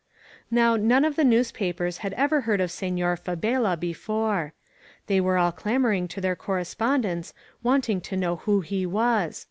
Now none of the newspapers had erer heard of Sefior Fabela before. They were all clamoring to their cor respondents, wanting to know who he was.